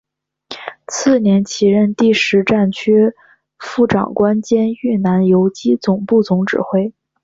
次年起任第十战区副长官兼豫南游击总部总指挥。